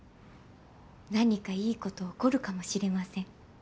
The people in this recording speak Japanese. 何かいいこと起こるかもしれません。